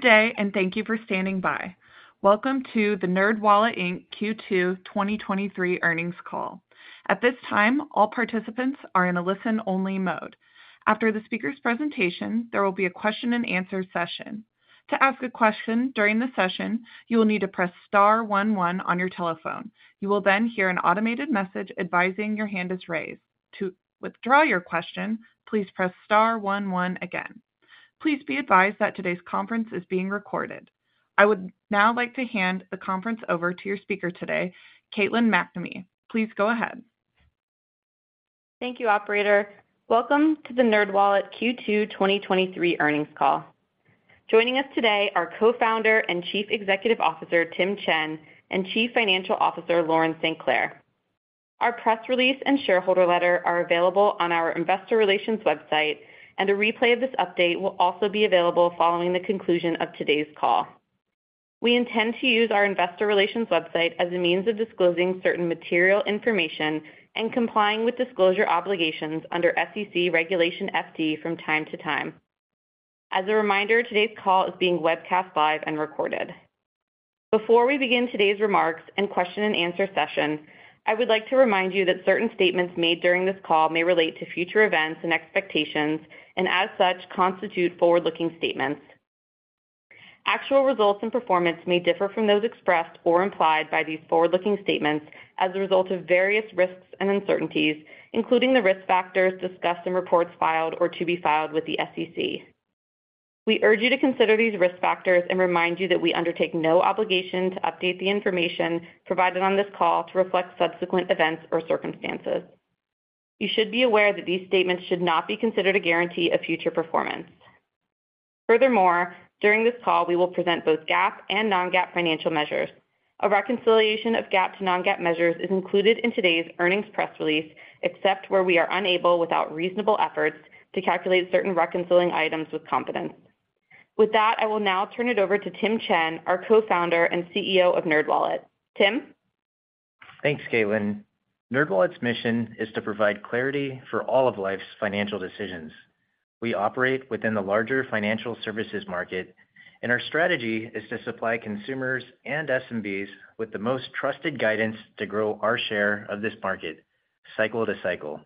Good day, and thank you for standing by. Welcome to the NerdWallet, Inc. Q2 2023 earnings call. At this time, all participants are in a listen-only mode. After the speaker's presentation, there will be a question-and-answer session. To ask a question during the session, you will need to press star one one on your telephone. You will then hear an automated message advising your hand is raised. To withdraw your question, please press star one one again. Please be advised that today's conference is being recorded. I would now like to hand the conference over to your speaker today, Caitlin MacNamee. Please go ahead. Thank you, operator. Welcome to the NerdWallet Q2 2023 earnings call. Joining us today are Co-founder and Chief Executive Officer, Tim Chen, and Chief Financial Officer, Lauren St. Clair. Our press release and shareholder letter are available on our investor relations website, and a replay of this update will also be available following the conclusion of today's call. We intend to use our investor relations website as a means of disclosing certain material information and complying with disclosure obligations under SEC Regulation FD from time to time. As a reminder, today's call is being webcast live and recorded. Before we begin today's remarks and question-and-answer session, I would like to remind you that certain statements made during this call may relate to future events and expectations and, as such, constitute forward-looking statements. Actual results and performance may differ from those expressed or implied by these forward-looking statements as a result of various risks and uncertainties, including the risk factors discussed in reports filed or to be filed with the SEC. We urge you to consider these risk factors and remind you that we undertake no obligation to update the information provided on this call to reflect subsequent events or circumstances. You should be aware that these statements should not be considered a guarantee of future performance. Furthermore, during this call, we will present both GAAP and non-GAAP financial measures. A reconciliation of GAAP to non-GAAP measures is included in today's earnings press release, except where we are unable, without reasonable efforts, to calculate certain reconciling items with confidence. With that, I will now turn it over to Tim Chen, our Co-founder and CEO of NerdWallet. Tim? Thanks, Caitlin. NerdWallet's mission is to provide clarity for all of life's financial decisions. We operate within the larger financial services market, our strategy is to supply consumers and SMBs with the most trusted guidance to grow our share of this market cycle to cycle.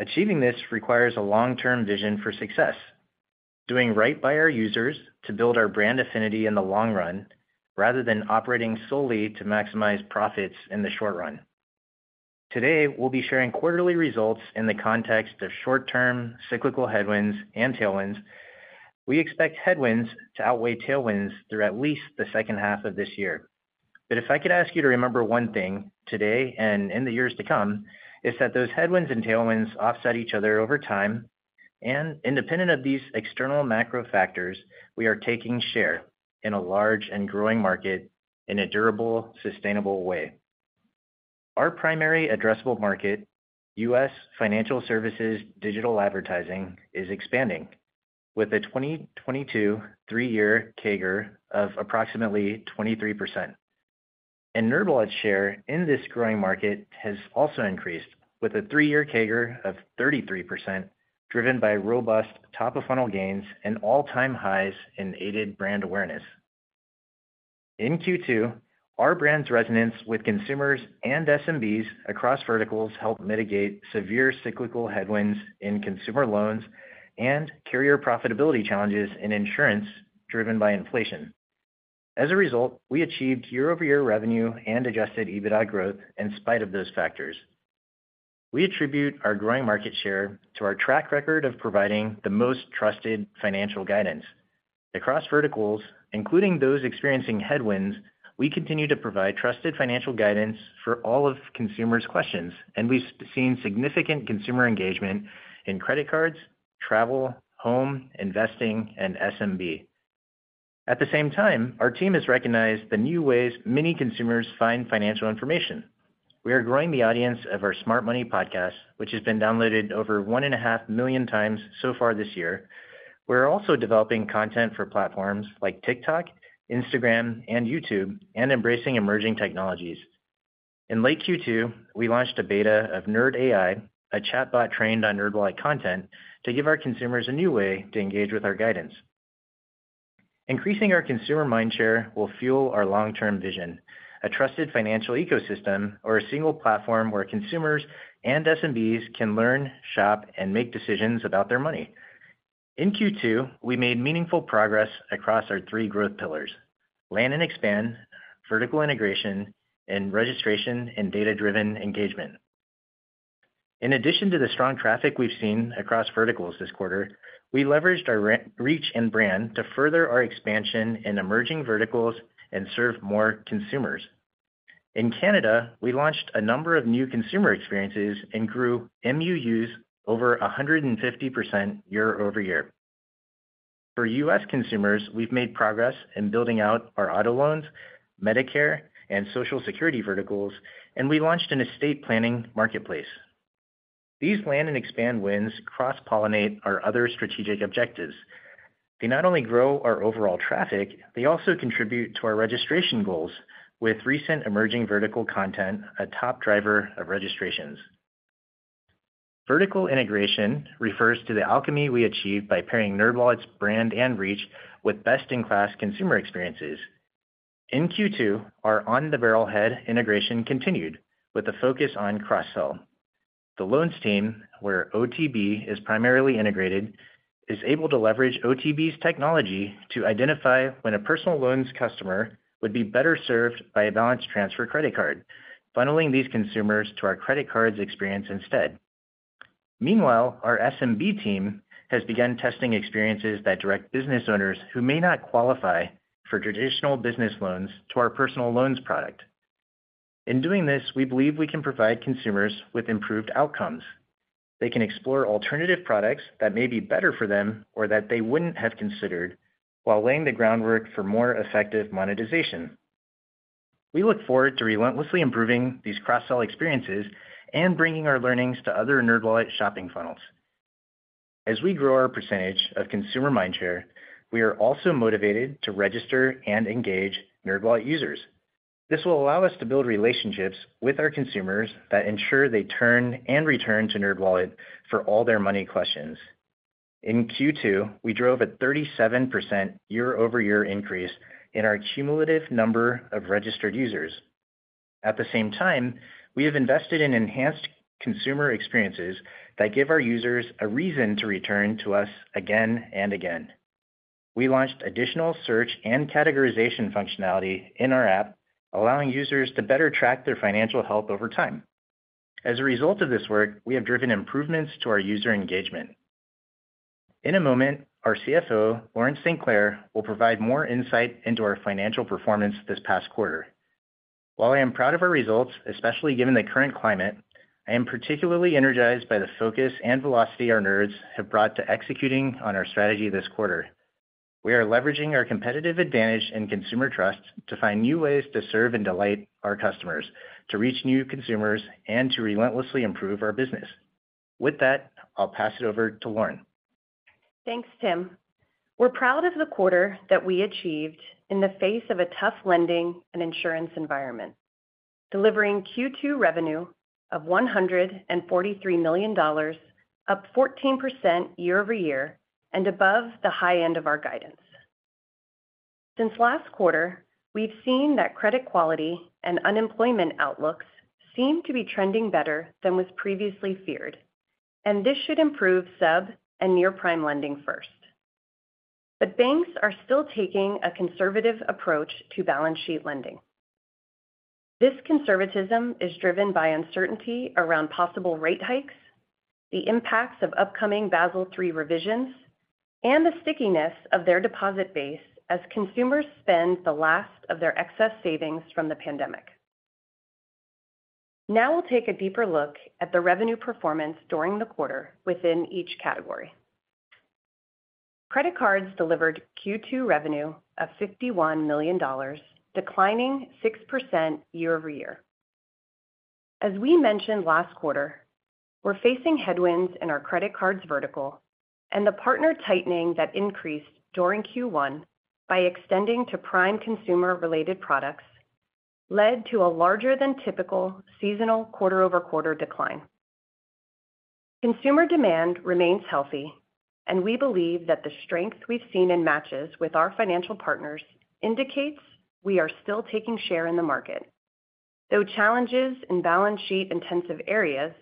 Achieving this requires a long-term vision for success, doing right by our users to build our brand affinity in the long run, rather than operating solely to maximize profits in the short run. Today, we'll be sharing quarterly results in the context of short-term cyclical headwinds and tailwinds. We expect headwinds to outweigh tailwinds through at least the second half of this year. If I could ask you to remember one thing today and in the years to come, is that those headwinds and tailwinds offset each other over time, and independent of these external macro factors, we are taking share in a large and growing market in a durable, sustainable way. Our primary addressable market, US financial services digital advertising, is expanding with a 2022 three-year CAGR of approximately 23%. NerdWallet's share in this growing market has also increased, with a three-year CAGR of 33%, driven by robust top-of-funnel gains and all-time highs in aided brand awareness. In Q2, our brand's resonance with consumers and SMBs across verticals helped mitigate severe cyclical headwinds in consumer loans and carrier profitability challenges in insurance driven by inflation. As a result, we achieved year-over-year revenue and Adjusted EBITDA growth in spite of those factors. We attribute our growing market share to our track record of providing the most trusted financial guidance. Across verticals, including those experiencing headwinds, we continue to provide trusted financial guidance for all of consumers' questions. We've seen significant consumer engagement in credit cards, travel, home, investing, and SMB. At the same time, our team has recognized the new ways many consumers find financial information. We are growing the audience of our Smart Money podcast, which has been downloaded over 1.5 million times so far this year. We are also developing content for platforms like TikTok, Instagram, and YouTube. We are embracing emerging technologies. In late Q2, we launched a beta of Nerd AI, a chatbot trained on NerdWallet content, to give our consumers a new way to engage with our guidance. Increasing our consumer mind share will fuel our long-term vision, a trusted financial ecosystem or a single platform where consumers and SMBs can learn, shop, and make decisions about their money. In Q2, we made meaningful progress across our three growth pillars: land and expand, vertical integration, and registration and data-driven engagement. In addition to the strong traffic we've seen across verticals this quarter, we leveraged our re-reach and brand to further our expansion in emerging verticals and serve more consumers. In Canada, we launched a number of new consumer experiences and grew MUUs over 150% year-over-year. For US consumers, we've made progress in building out our auto loans, Medicare, and Social Security verticals, and we launched an estate planning marketplace. These land and expand wins cross-pollinate our other strategic objectives. They not only grow our overall traffic, they also contribute to our registration goals, with recent emerging vertical content, a top driver of registrations. Vertical integration refers to the alchemy we achieve by pairing NerdWallet's brand and reach with best-in-class consumer experiences. In Q2, our On the Barrelhead integration continued, with a focus on cross-sell. The loans team, where OTB is primarily integrated, is able to leverage OTB's technology to identify when a personal loans customer would be better served by a balance transfer credit card, funneling these consumers to our credit cards experience instead. Meanwhile, our SMB team has begun testing experiences that direct business owners who may not qualify for traditional business loans to our personal loans product. In doing this, we believe we can provide consumers with improved outcomes. They can explore alternative products that may be better for them or that they wouldn't have considered, while laying the groundwork for more effective monetization. We look forward to relentlessly improving these cross-sell experiences and bringing our learnings to other NerdWallet shopping funnels. As we grow our percentage of consumer mind share, we are also motivated to register and engage NerdWallet users. This will allow us to build relationships with our consumers that ensure they turn and return to NerdWallet for all their money questions. In Q2, we drove a 37% year-over-year increase in our cumulative number of registered users. At the same time, we have invested in enhanced consumer experiences that give our users a reason to return to us again and again. We launched additional search and categorization functionality in our app, allowing users to better track their financial health over time. As a result of this work, we have driven improvements to our user engagement. In a moment, our CFO, Lauren StClair, will provide more insight into our financial performance this past quarter. While I am proud of our results, especially given the current climate, I am particularly energized by the focus and velocity our Nerds have brought to executing on our strategy this quarter. We are leveraging our competitive advantage and consumer trust to find new ways to serve and delight our customers, to reach new consumers, and to relentlessly improve our business. With that, I'll pass it over to Lauren. Thanks, Tim. We're proud of the quarter that we achieved in the face of a tough lending and insurance environment, delivering Q2 revenue of $143 million, up 14% year-over-year and above the high end of our guidance. Since last quarter, we've seen that credit quality and unemployment outlooks seem to be trending better than was previously feared, this should improve sub and near-prime lending first. Banks are still taking a conservative approach to balance sheet lending. This conservatism is driven by uncertainty around possible rate hikes, the impacts of upcoming Basel III revisions, and the stickiness of their deposit base as consumers spend the last of their excess savings from the pandemic. We'll take a deeper look at the revenue performance during the quarter within each category. Credit cards delivered Q2 revenue of $51 million, declining 6% year-over-year. As we mentioned last quarter, we're facing headwinds in our credit cards vertical, and the partner tightening that increased during Q1 by extending to prime consumer-related products led to a larger than typical seasonal quarter-over-quarter decline. Consumer demand remains healthy, and we believe that the strength we've seen in matches with our financial partners indicates we are still taking share in the market, though challenges in balance sheet-intensive areas,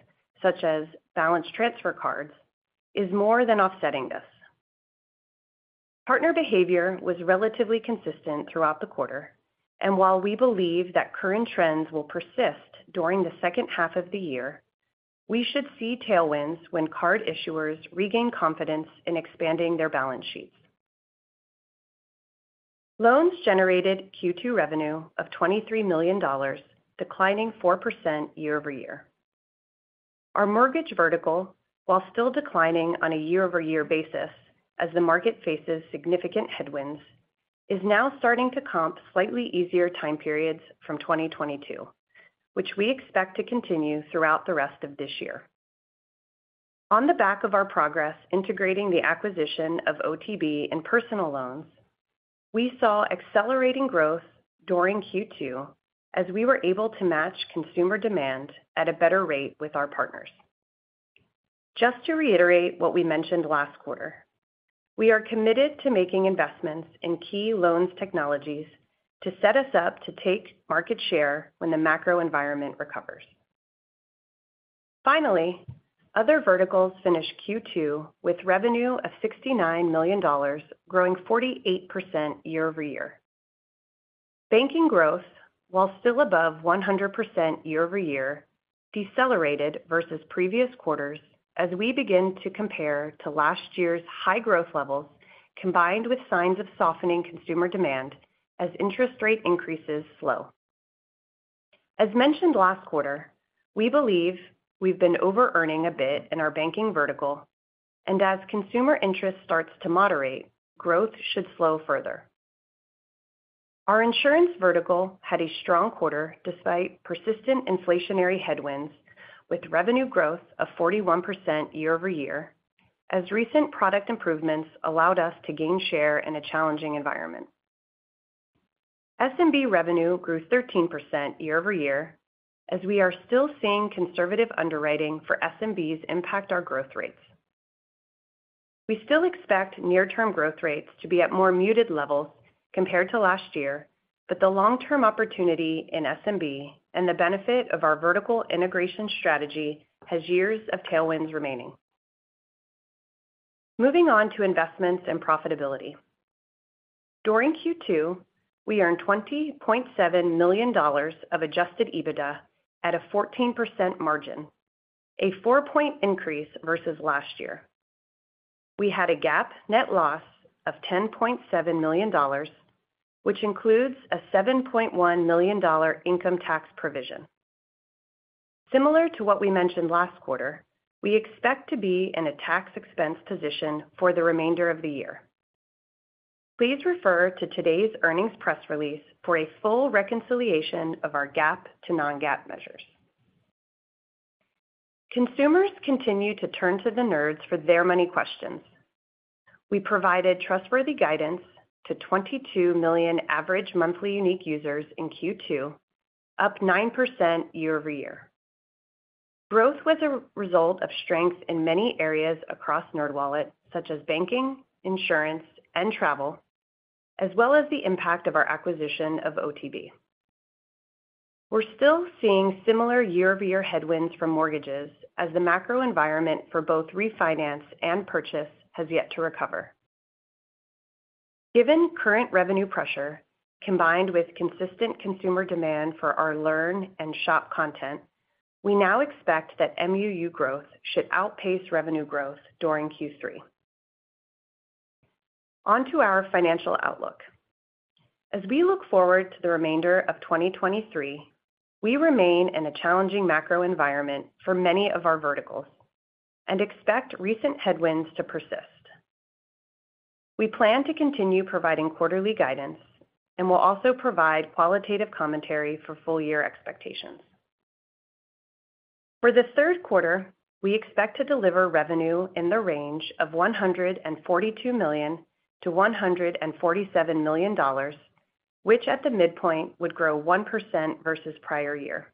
such as balance transfer cards, is more than offsetting this. Partner behavior was relatively consistent throughout the quarter, and while we believe that current trends will persist during the second half of the year, we should see tailwinds when card issuers regain confidence in expanding their balance sheets. Loans generated Q2 revenue of $23 million, declining 4% year-over-year. Our mortgage vertical, while still declining on a year-over-year basis as the market faces significant headwinds, is now starting to comp slightly easier time periods from 2022, which we expect to continue throughout the rest of this year. On the back of our progress integrating the acquisition of OTB and personal loans, we saw accelerating growth during Q2 as we were able to match consumer demand at a better rate with our partners. Just to reiterate what we mentioned last quarter, we are committed to making investments in key loans technologies to set us up to take market share when the macro environment recovers. Finally, other verticals finished Q2 with revenue of $69 million, growing 48% year-over-year. Banking growth, while still above 100% year-over-year, decelerated versus previous quarters as we begin to compare to last year's high growth levels, combined with signs of softening consumer demand as interest rate increases slow. As mentioned last quarter, we believe we've been overearning a bit in our banking vertical, and as consumer interest starts to moderate, growth should slow further. Our insurance vertical had a strong quarter despite persistent inflationary headwinds, with revenue growth of 41% year-over-year, as recent product improvements allowed us to gain share in a challenging environment. SMB revenue grew 13% year-over-year, as we are still seeing conservative underwriting for SMBs impact our growth rates. We still expect near-term growth rates to be at more muted levels compared to last year. The long-term opportunity in SMB and the benefit of our vertical integration strategy has years of tailwinds remaining. Moving on to investments and profitability. During Q2, we earned $20.7 million of Adjusted EBITDA at a 14% margin, a 4-point increase versus last year. We had a GAAP net loss of $10.7 million, which includes a $7.1 million income tax provision. Similar to what we mentioned last quarter, we expect to be in a tax expense position for the remainder of the year. Please refer to today's earnings press release for a full reconciliation of our GAAP to non-GAAP measures. Consumers continue to turn to the Nerds for their money questions. We provided trustworthy guidance to 22 million average Monthly Unique Users in Q2, up 9% year-over-year. Growth was a result of strength in many areas across NerdWallet, such as banking, insurance, and travel, as well as the impact of our acquisition of OTB. We're still seeing similar year-over-year headwinds from mortgages as the macro environment for both refinance and purchase has yet to recover. Given current revenue pressure, combined with consistent consumer demand for our learn and shop content, we now expect that MUU growth should outpace revenue growth during Q3. On to our financial outlook. As we look forward to the remainder of 2023, we remain in a challenging macro environment for many of our verticals and expect recent headwinds to persist. We plan to continue providing quarterly guidance and will also provide qualitative commentary for full year expectations. For the Q3, we expect to deliver revenue in the range of $142 million-$147 million, which at the midpoint would grow 1% versus prior year.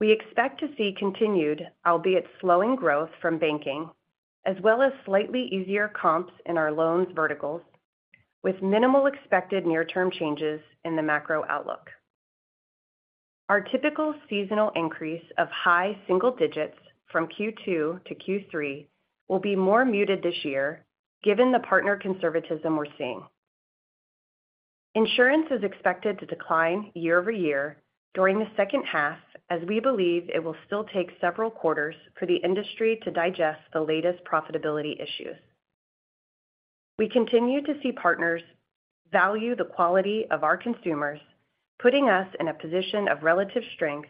We expect to see continued, albeit slowing growth from banking, as well as slightly easier comps in our loans verticals, with minimal expected near-term changes in the macro outlook. Our typical seasonal increase of high single digits from Q2 to Q3 will be more muted this year, given the partner conservatism we're seeing. Insurance is expected to decline year-over-year during the second half, as we believe it will still take several quarters for the industry to digest the latest profitability issues. We continue to see partners value the quality of our consumers, putting us in a position of relative strength,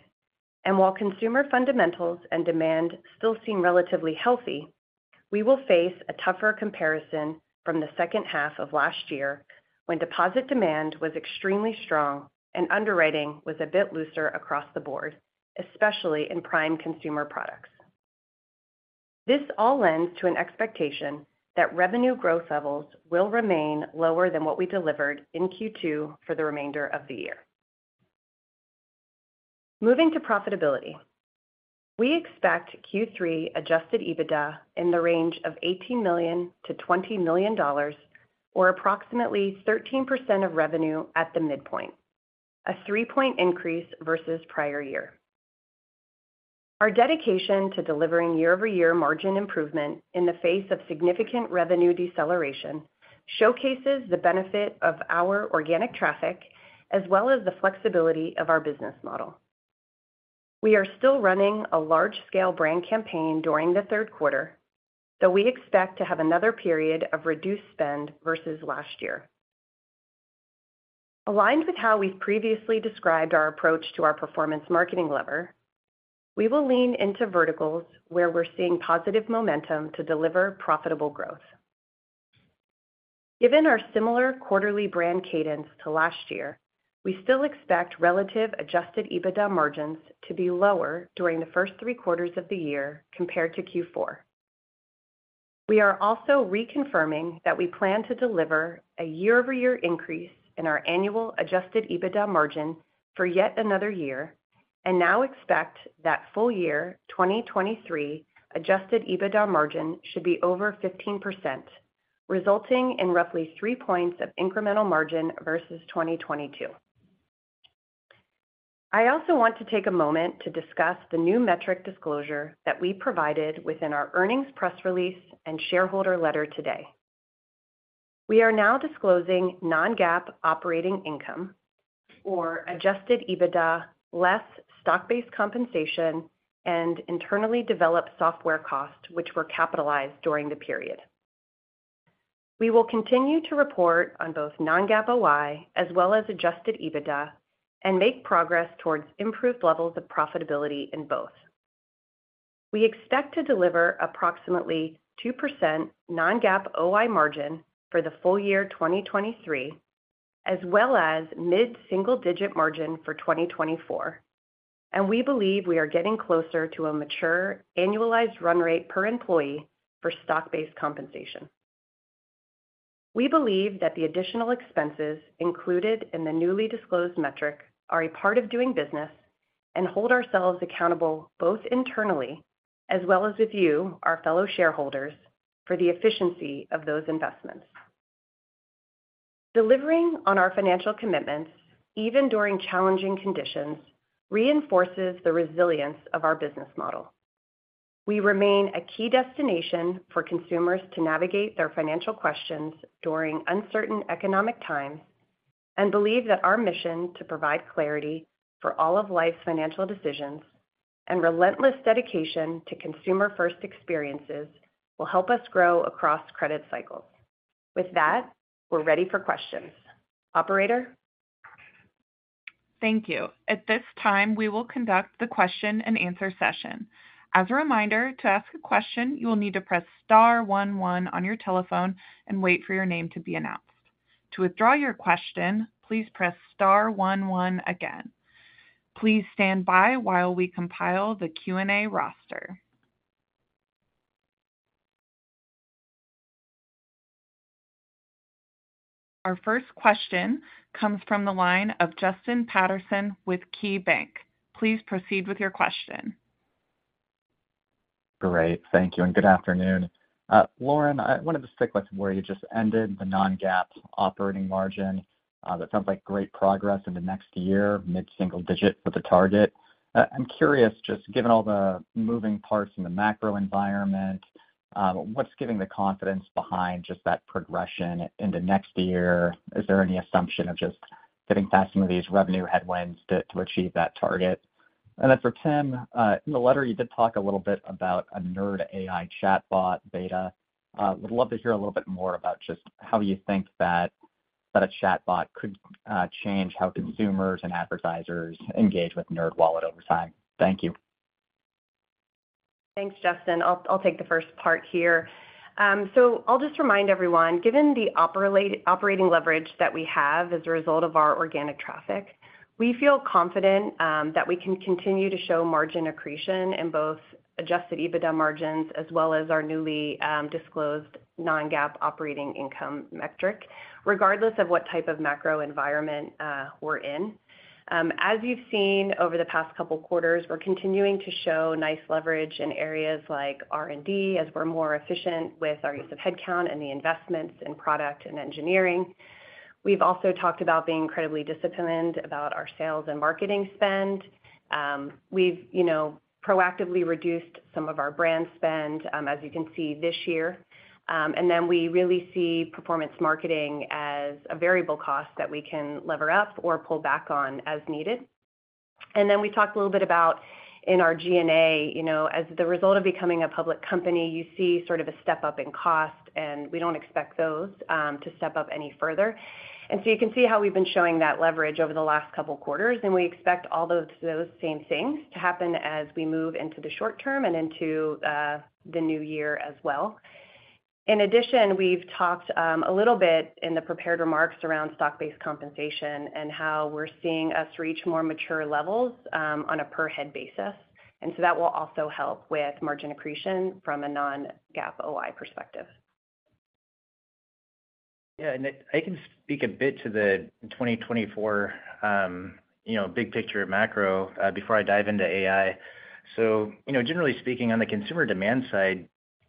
and while consumer fundamentals and demand still seem relatively healthy, we will face a tougher comparison from the second half of last year, when deposit demand was extremely strong and underwriting was a bit looser across the board, especially in prime consumer products. This all lends to an expectation that revenue growth levels will remain lower than what we delivered in Q2 for the remainder of the year. Moving to profitability. We expect Q3 Adjusted EBITDA in the range of $18 million-$20 million, or approximately 13% of revenue at the midpoint, a 3-point increase versus prior year. Our dedication to delivering year-over-year margin improvement in the face of significant revenue deceleration showcases the benefit of our organic traffic, as well as the flexibility of our business model. We are still running a large-scale brand campaign during the 3rd quarter, so we expect to have another period of reduced spend versus last year. Aligned with how we've previously described our approach to our performance marketing lever, we will lean into verticals where we're seeing positive momentum to deliver profitable growth. Given our similar quarterly brand cadence to last year, we still expect relative Adjusted EBITDA margins to be lower during the 1st 3 quarters of the year compared to Q4. We are also reconfirming that we plan to deliver a year-over-year increase in our annual Adjusted EBITDA margin for yet another year, and now expect that full year 2023 Adjusted EBITDA margin should be over 15%, resulting in roughly 3 points of incremental margin versus 2022. I also want to take a moment to discuss the new metric disclosure that we provided within our earnings press release and shareholder letter today. We are now disclosing non-GAAP operating income or Adjusted EBITDA less stock-based compensation and internally developed software costs, which were capitalized during the period. We will continue to report on both non-GAAP OI as well as Adjusted EBITDA and make progress towards improved levels of profitability in both. We expect to deliver approximately 2% non-GAAP OI margin for the full year 2023, as well as mid-single-digit margin for 2024. We believe we are getting closer to a mature annualized run rate per employee for stock-based compensation. We believe that the additional expenses included in the newly disclosed metric are a part of doing business and hold ourselves accountable, both internally as well as with you, our fellow shareholders, for the efficiency of those investments. Delivering on our financial commitments, even during challenging conditions, reinforces the resilience of our business model. We remain a key destination for consumers to navigate their financial questions during uncertain economic times, and believe that our mission to provide clarity for all of life's financial decisions and relentless dedication to consumer-first experiences will help us grow across credit cycles. With that, we're ready for questions. Operator? Thank you. At this time, we will conduct the question-and-answer session. As a reminder, to ask a question, you will need to press star one one on your telephone and wait for your name to be announced. To withdraw your question, please press star one one again. Please stand by while we compile the Q&A roster. Our first question comes from the line of Justin Patterson with KeyBanc. Please proceed with your question. Great. Thank you, and good afternoon. Lauren, I wanted to stick with where you just ended, the non-GAAP operating margin. That sounds like great progress in the next year, mid-single digit for the target. I'm curious, just given all the moving parts in the macro environment, what's giving the confidence behind just that progression into next year? Is there any assumption of just getting past some of these revenue headwinds to, to achieve that target? For Tim, in the letter, you did talk a little bit about a Nerd AI chatbot beta. Would love to hear a little bit more about just how you think that, that a chatbot could change how consumers and advertisers engage with NerdWallet over time. Thank you. Thanks, Justin. I'll take the first part here. So I'll just remind everyone, given the operating leverage that we have as a result of our organic traffic, we feel confident that we can continue to show margin accretion in both Adjusted EBITDA margins as well as our newly disclosed non-GAAP Operating Income metric, regardless of what type of macro environment we're in. As you've seen over the past couple quarters, we're continuing to show nice leverage in areas like R&D, as we're more efficient with our use of headcount and the investments in product and engineering. We've also talked about being incredibly disciplined about our sales and marketing spend. We've, you know, proactively reduced some of our brand spend, as you can see this year. Then we really see performance marketing as a variable cost that we can lever up or pull back on as needed. Then we talked a little bit about in our G&A, you know, as the result of becoming a public company, you see sort of a step-up in cost, and we don't expect those to step up any further. So you can see how we've been showing that leverage over the last couple quarters, and we expect all those, those same things to happen as we move into the short term and into the new year as well. In addition, we've talked a little bit in the prepared remarks around stock-based compensation and how we're seeing us reach more mature levels on a per head basis. So that will also help with margin accretion from a non-GAAP OI perspective. Yeah, and I, I can speak a bit to the 2024, you know, big picture macro, before I dive into AI. You know, generally speaking, on the consumer demand side,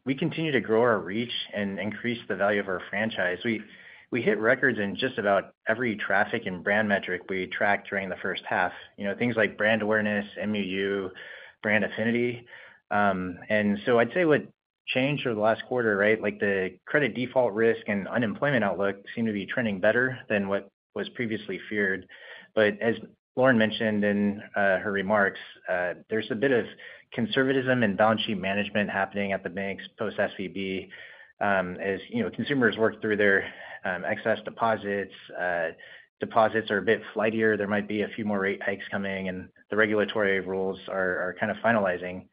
we continue to grow our reach and increase the value of our franchise. We, we hit records in just about every traffic and brand metric we tracked during the first half. You know, things like brand awareness, MUU, brand affinity. I'd say what changed over the last quarter, right, like, the credit default risk and unemployment outlook seem to be trending better than what was previously feared. As Lauren mentioned in her remarks, there's a bit of conservatism and balance sheet management happening at the banks post SVB. As, you know, consumers work through their excess deposits, deposits are a bit flightier. There might be a few more rate hikes coming, and the regulatory rules are, are kind of finalizing.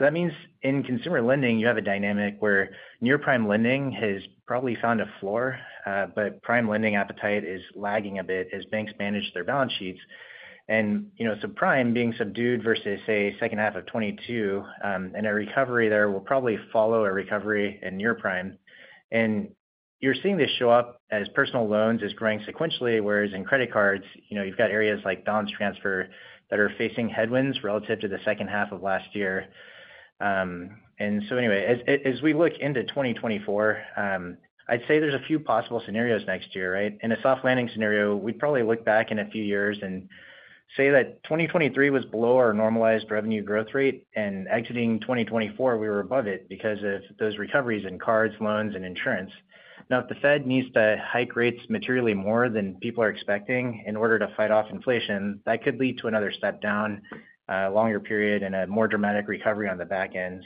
That means in consumer lending, you have a dynamic where near-prime lending has probably found a floor, but prime lending appetite is lagging a bit as banks manage their balance sheets. You know, prime being subdued versus, say, second half of 22, and a recovery there will probably follow a recovery in near prime. You're seeing this show up as personal loans is growing sequentially, whereas in credit cards, you know, you've got areas like balance transfer that are facing headwinds relative to the second half of last year. Anyway, as, as we look into 2024, I'd say there's a few possible scenarios next year, right? In a soft landing scenario, we'd probably look back in a few years and say that 2023 was below our normalized revenue growth rate, and exiting 2024, we were above it because of those recoveries in cards, loans, and insurance. If the Fed needs to hike rates materially more than people are expecting in order to fight off inflation, that could lead to another step down, a longer period and a more dramatic recovery on the back end.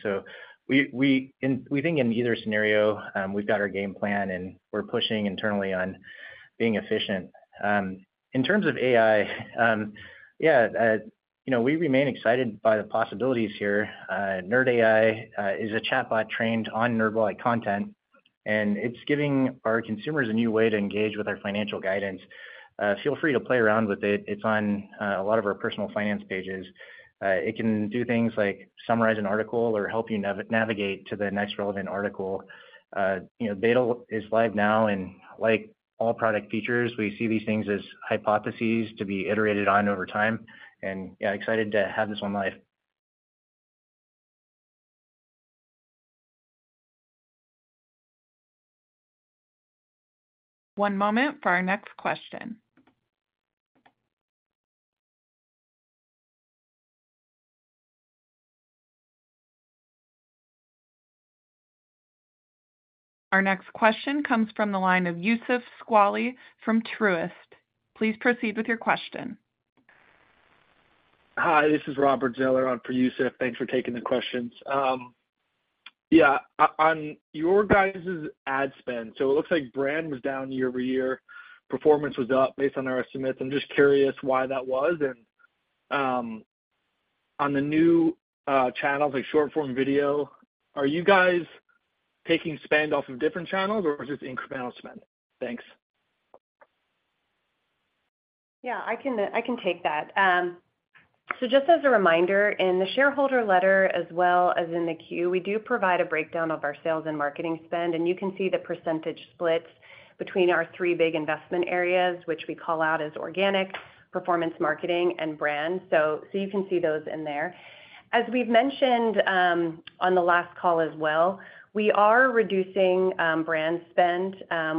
We think in either scenario, we've got our game plan, and we're pushing internally on being efficient. In terms of AI, yeah, you know, we remain excited by the possibilities here. Nerd AI is a chatbot trained on NerdWallet content. It's giving our consumers a new way to engage with our financial guidance. Feel free to play around with it. It's on a lot of our personal finance pages. It can do things like summarize an article or help you navigate to the next relevant article. You know, Beta is live now, like all product features, we see these things as hypotheses to be iterated on over time. Yeah, excited to have this one live. One moment for our next question. Our next question comes from the line of Youssef Squali from Truist. Please proceed with your question. Hi, this is Robert Zeller on for Youssef Squali. Thanks for taking the questions. On your guys' ad spend, it looks like brand was down year-over-year. Performance was up based on our estimates. I'm just curious why that was. On the new channels, like short-form video, are you guys taking spend off of different channels, or is this incremental spend? Thanks. Yeah, I can, I can take that. Just as a reminder, in the shareholder letter as well as in the Q, we do provide a breakdown of our sales and marketing spend, and you can see the percentage splits between our three big investment areas, which we call out as organic, performance marketing, and brand. You can see those in there. As we've mentioned, on the last call as well, we are reducing brand spend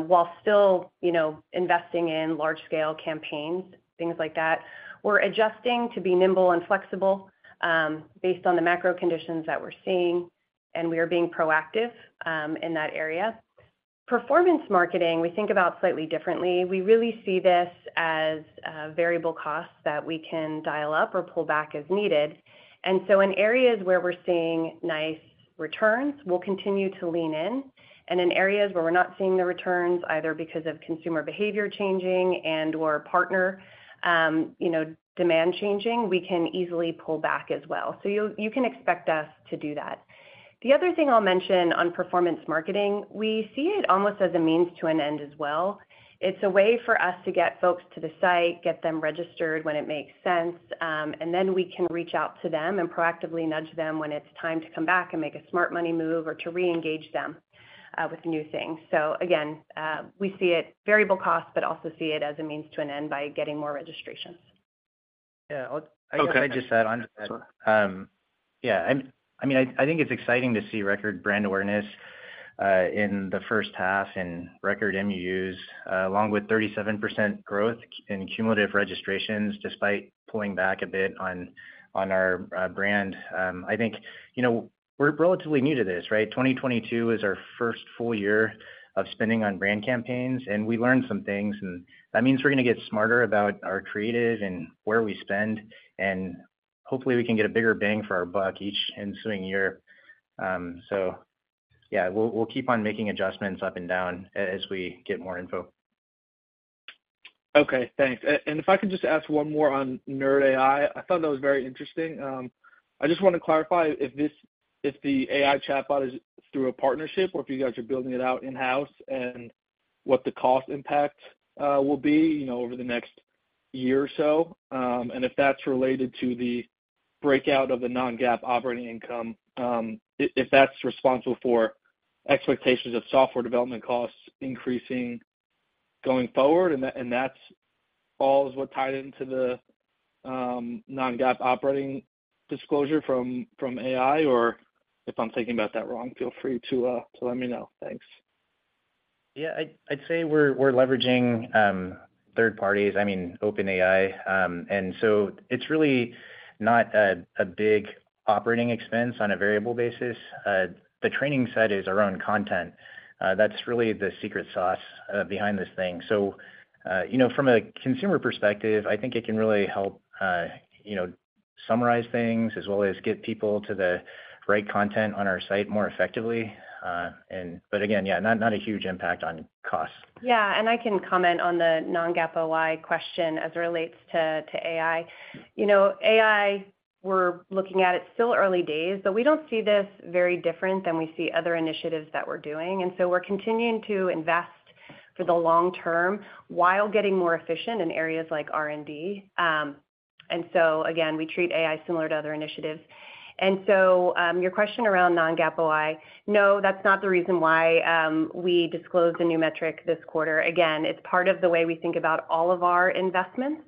while still, you know, investing in large-scale campaigns, things like that. We're adjusting to be nimble and flexible based on the macro conditions that we're seeing, and we are being proactive in that area. Performance marketing, we think about slightly differently. We really see this as variable costs that we can dial up or pull back as needed. In areas where we're seeing nice returns, we'll continue to lean in, and in areas where we're not seeing the returns, either because of consumer behavior changing and/or partner, you know, demand changing, we can easily pull back as well. You'll-- you can expect us to do that. The other thing I'll mention on performance marketing, we see it almost as a means to an end as well. It's a way for us to get folks to the site, get them registered when it makes sense, and then we can reach out to them and proactively nudge them when it's time to come back and make a smart money move or to reengage them with new things. Again, we see it variable costs, but also see it as a means to an end by getting more registrations. Yeah, I'll- Okay. I'll just add on to that. Yeah, I mean, I think it's exciting to see record brand awareness in the first half and record MUUs along with 37% growth in cumulative registrations, despite pulling back a bit on, on our brand. I think, you know, we're relatively new to this, right? 2022 is our first full year of spending on brand campaigns, and we learned some things, and that means we're going to get smarter about our creative and where we spend, and hopefully, we can get a bigger bang for our buck each ensuing year. Yeah, we'll, we'll keep on making adjustments up and down as we get more info. Okay, thanks. If I could just ask one more on Nerd AI, I thought that was very interesting. I just want to clarify if this if the AI chatbot is through a partnership or if you guys are building it out in-house, and what the cost impact will be, you know, over the next year or so. If that's related to the breakout of the non-GAAP operating income, if that's responsible for expectations of software development costs increasing going forward, and that, and that's all is what tied into the non-GAAP operating disclosure from AI, or if I'm thinking about that wrong, feel free to let me know. Thanks. Yeah, I'd, I'd say we're, we're leveraging, third parties, I mean, OpenAI. It's really not a big operating expense on a variable basis. The training set is our own content. That's really the secret sauce behind this thing. You know, from a consumer perspective, I think it can really help, you know, summarize things as well as get people to the right content on our site more effectively. Again, yeah, not, not a huge impact on costs. Yeah, I can comment on the non-GAAP OI question as it relates to, to AI. You know, AI, we're looking at it's still early days, but we don't see this very different than we see other initiatives that we're doing. We're continuing to invest for the long term while getting more efficient in areas like R&D. Again, we treat AI similar to other initiatives. Your question around non-GAAP OI, no, that's not the reason why we disclosed the new metric this quarter. Again, it's part of the way we think about all of our investments.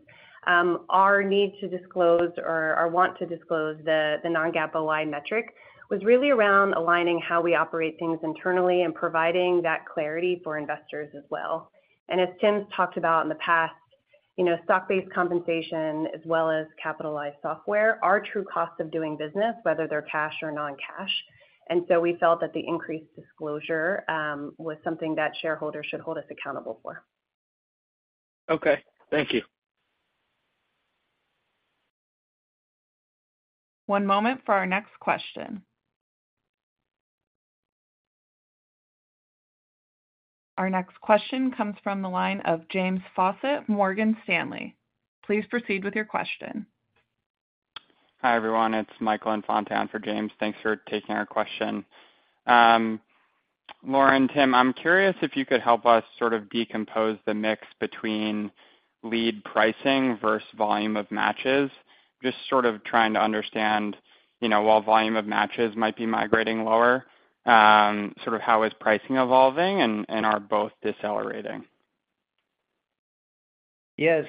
Our need to disclose or our want to disclose the, the non-GAAP OI metric was really around aligning how we operate things internally and providing that clarity for investors as well. As Tim's talked about in the past, you know, stock-based compensation as well as capitalized software, are true costs of doing business, whether they're cash or non-cash. We felt that the increased disclosure was something that shareholders should hold us accountable for. Okay, thank you. One moment for our next question. Our next question comes from the line of James Faucette, Morgan Stanley. Please proceed with your question. Hi, everyone. It's Michael Infante on for James. Thanks for taking our question. Lauren, Tim, I'm curious if you could help us sort of decompose the mix between lead pricing versus volume of matches. Just sort of trying to understand, you know, while volume of matches might be migrating lower, sort of how is pricing evolving, and are both decelerating? Yeah.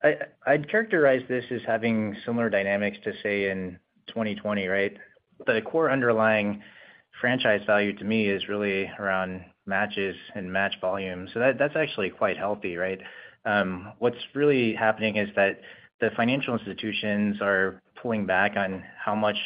I, I'd characterize this as having similar dynamics to, say, in 2020, right? The core underlying franchise value to me is really around matches and match volume. That, that's actually quite healthy, right? What's really happening is that the financial institutions are pulling back on how much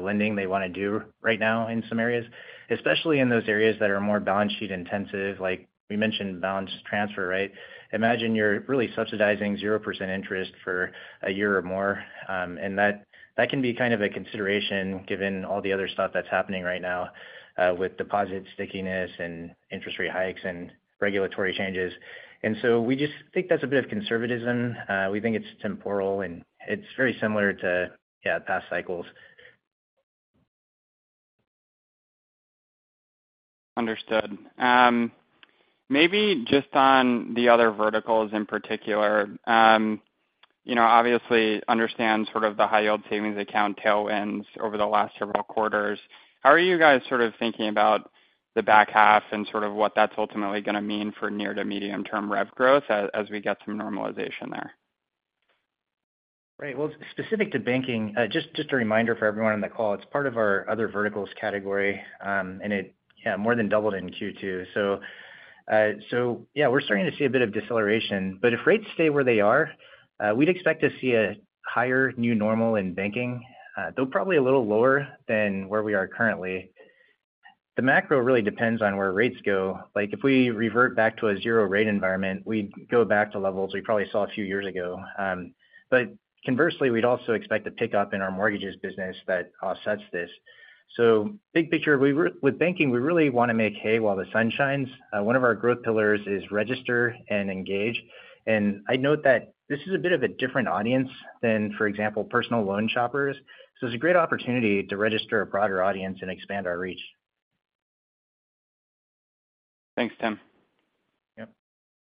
lending they wanna do right now in some areas, especially in those areas that are more balance sheet intensive, like we mentioned, balance transfer, right? Imagine you're really subsidizing 0% interest for a year or more, and that, that can be kind of a consideration given all the other stuff that's happening right now, with deposit stickiness and interest rate hikes and regulatory changes. We just think that's a bit of conservatism. We think it's temporal, and it's very similar to, yeah, past cycles. Understood. Maybe just on the other verticals in particular, you know, obviously understand sort of the high yield savings account tailwinds over the last several quarters. How are you guys sort of thinking about the back half and sort of what that's ultimately gonna mean for near-to-medium-term rev growth as we get some normalization there? Right. Well, specific to banking, just, just a reminder for everyone on the call, it's part of our other verticals category, and it, yeah, more than doubled in Q2. Yeah, we're starting to see a bit of deceleration. If rates stay where they are, we'd expect to see a higher new normal in banking, though probably a little lower than where we are currently. The macro really depends on where rates go. Like, if we revert back to a zero rate environment, we'd go back to levels we probably saw a few years ago. Conversely, we'd also expect a pickup in our mortgages business that offsets this. Big picture, with banking, we really wanna make hay while the sun shines. One of our growth pillars is register and engage, I'd note that this is a bit of a different audience than, for example, personal loan shoppers. It's a great opportunity to register a broader audience and expand our reach. Thanks, Tim. Yep.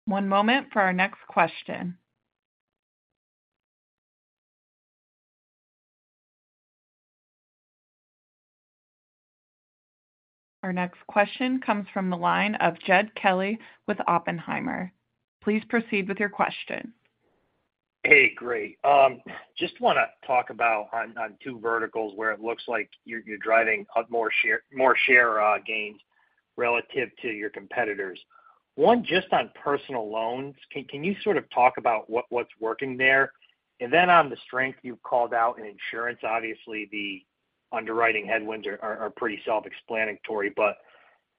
One moment for our next question. Our next question comes from the line of Jed Kelly with Oppenheimer. Please proceed with your question. Hey, great. Just wanna talk about on, on two verticals where it looks like you're, you're driving a more share-- more share gains relative to your competitors. One, just on personal loans, can, can you sort of talk about what, what's working there? Then on the strength you've called out in insurance, obviously, the underwriting headwinds are, are, are pretty self-explanatory, but,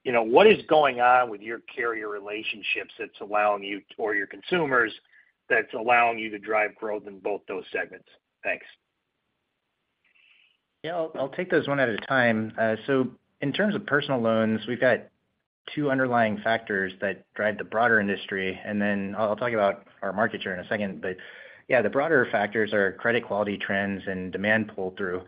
you know, what is going on with your carrier relationships that's allowing you, or your consumers, that's allowing you to drive growth in both those segments? Thanks. Yeah, I'll, I'll take those one at a time. In terms of personal loans, we've got two underlying factors that drive the broader industry, and then I'll, I'll talk about our market share in a second. Yeah, the broader factors are credit quality trends and demand pull-through.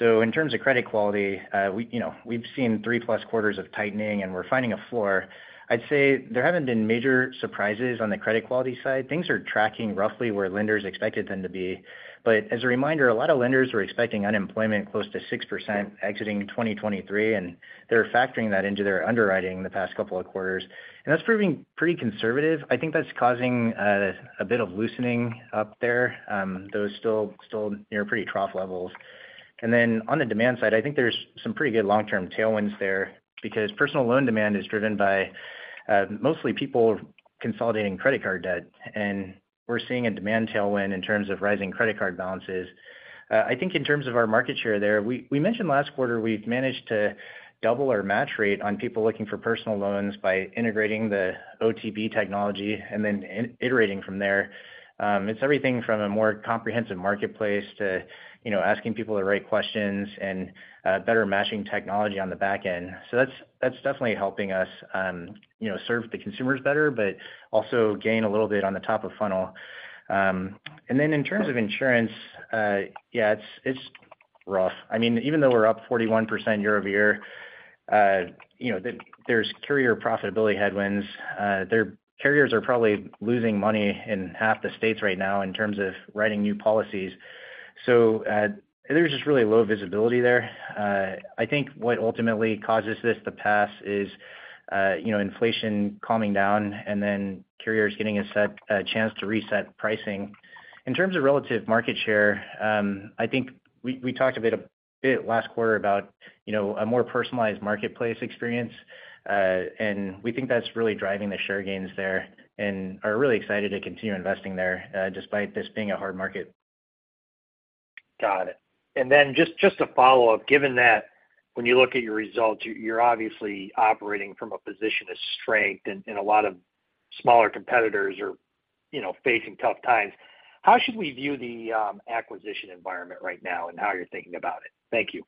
In terms of credit quality, we, you know, we've seen three-plus quarters of tightening, and we're finding a floor. I'd say there haven't been major surprises on the credit quality side. Things are tracking roughly where lenders expected them to be. As a reminder, a lot of lenders were expecting unemployment close to 6% exiting 2023, and they're factoring that into their underwriting the past couple of quarters, and that's proving pretty conservative. I think that's causing a bit of loosening up there, though still, still near pretty trough levels. On the demand side, I think there's some pretty good long-term tailwinds there because personal loan demand is driven by mostly people consolidating credit card debt, and we're seeing a demand tailwind in terms of rising credit card balances. I think in terms of our market share there, we, we mentioned last quarter we've managed to double our match rate on people looking for personal loans by integrating the OTB technology and then iterating from there. It's everything from a more comprehensive marketplace to, you know, asking people the right questions and better matching technology on the back end. That's, that's definitely helping us, you know, serve the consumers better, but also gain a little bit on the top of funnel. In terms of insurance, yeah, it's, it's rough. I mean, even though we're up 41% year over year, you know, there's carrier profitability headwinds. Their carriers are probably losing money in half the states right now in terms of writing new policies. There's just really low visibility there. I think what ultimately causes this to pass is, you know, inflation calming down and then carriers getting a chance to reset pricing. In terms of relative market share, I think we, we talked a bit last quarter about, you know, a more personalized marketplace experience, and we think that's really driving the share gains there and are really excited to continue investing there, despite this being a hard market. Got it. Just, just a follow-up. Given that when you look at your results, you're obviously operating from a position of strength, and, and a lot of smaller competitors are, you know, facing tough times, how should we view the acquisition environment right now and how you're thinking about it? Thank you.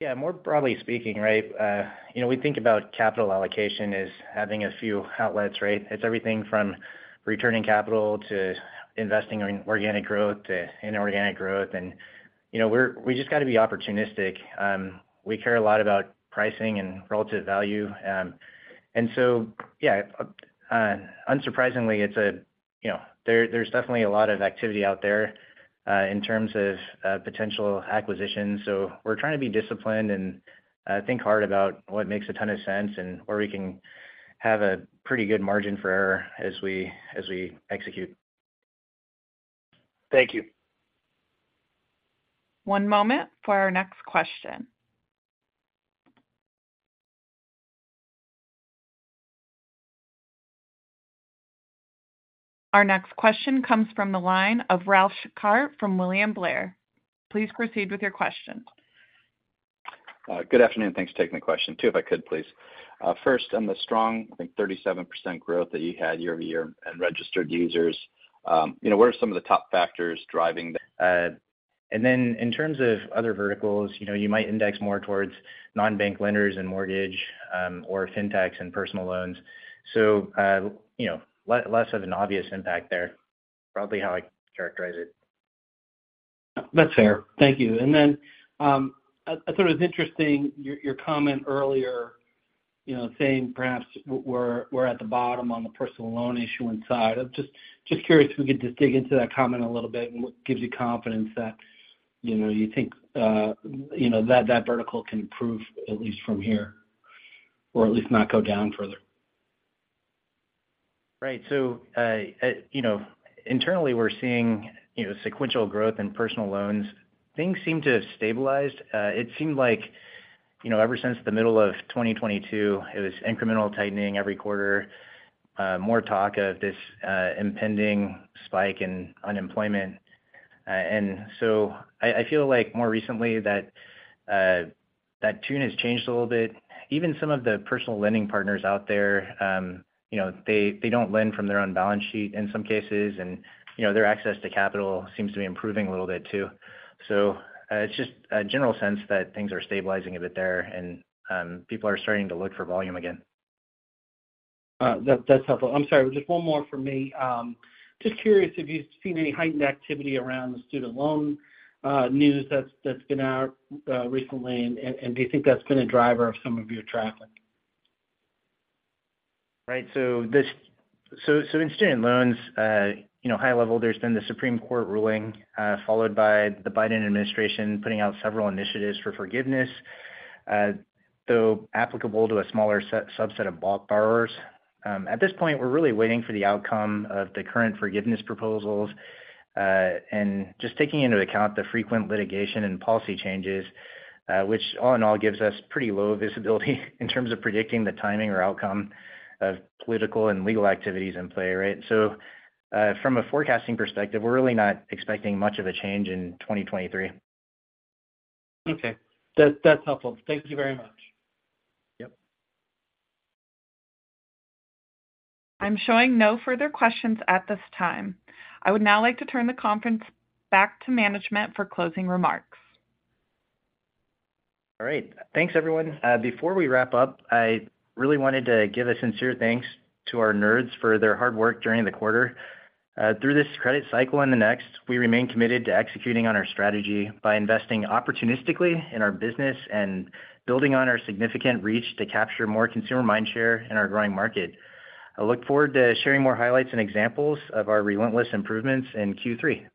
Yeah, more broadly speaking, right? you know, we think about capital allocation as having a few outlets, right? It's everything from returning capital to investing in organic growth to inorganic growth. you know, we're we just gotta be opportunistic. we care a lot about pricing and relative value. so, yeah, unsurprisingly, it's a, you know, there, there's definitely a lot of activity out there, in terms of, potential acquisitions. So we're trying to be disciplined and, think hard about what makes a ton of sense and where we can have a pretty good margin for error as we, as we execute. Thank you. One moment for our next question. Our next question comes from the line of Ralph Schackart from William Blair. Please proceed with your question. Good afternoon. Thanks for taking the question. Two, if I could, please. First, on the strong, I think, 37% growth that you had year-over-year in registered users, you know, what are some of the top factors driving that? In terms of other verticals, you know, you might index more towards non-bank lenders and mortgage, or Fintechs and personal loans. You know, less of an obvious impact there, probably how I'd characterize it. That's fair. Thank you. Then, I thought it was interesting, your, your comment earlier, you know, saying perhaps we're, we're at the bottom on the personal loan issuance side. I'm just curious if we could just dig into that comment a little bit, and what gives you confidence that, you know, you think you know, that vertical can improve, at least from here, or at least not go down further? Right. you know, internally, we're seeing, you know, sequential growth in personal loans. Things seem to have stabilized. It seemed like, you know, ever since the middle of 2022, it was incremental tightening every quarter, more talk of this impending spike in unemployment. I, I feel like more recently that tune has changed a little bit. Even some of the personal lending partners out there, you know, they, they don't lend from their own balance sheet in some cases, and, you know, their access to capital seems to be improving a little bit, too. It's just a general sense that things are stabilizing a bit there, and people are starting to look for volume again. That, that's helpful. I'm sorry, just one more from me. Just curious if you've seen any heightened activity around the student loan news that's been out recently, and do you think that's been a driver of some of your traffic? Right. In student loans, you know, high level, there's been the Supreme Court ruling, followed by the Biden administration putting out several initiatives for forgiveness, though applicable to a smaller subset of borrowers. At this point, we're really waiting for the outcome of the current forgiveness proposals, and just taking into account the frequent litigation and policy changes, which all in all, gives us pretty low visibility in terms of predicting the timing or outcome of political and legal activities in play, right? From a forecasting perspective, we're really not expecting much of a change in 2023. Okay. That, that's helpful. Thank you very much. Yep. I'm showing no further questions at this time. I would now like to turn the conference back to management for closing remarks. All right. Thanks, everyone. Before we wrap up, I really wanted to give a sincere thanks to our nerds for their hard work during the quarter. Through this credit cycle and the next, we remain committed to executing on our strategy by investing opportunistically in our business and building on our significant reach to capture more consumer mind share in our growing market. I look forward to sharing more highlights and examples of our relentless improvements in Q3.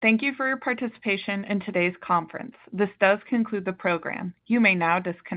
Thank you for your participation in today's conference. This does conclude the program. You may now disconnect.